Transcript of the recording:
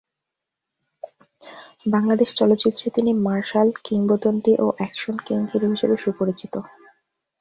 বাংলাদেশ চলচ্চিত্রে তিনি মার্শাল কিংবদন্তি ও অ্যাকশন কিং হিরো হিসেবে সুপরিচিত।